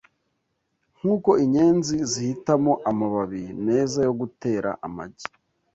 Nkuko inyenzi zihitamo amababi meza yo gutera amagi